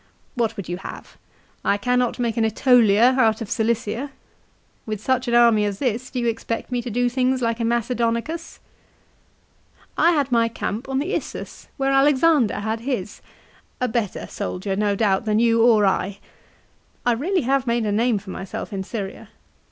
What would you have ? I cannot make an ^Etolia out of Cilicia. With such an army as this do you expect me to do things like a Macedonicus ?" 2 "I had my camp on the Issus, where Alexander had his; a better soldier no doubt than you or I. I really have made a name for myself in Syria.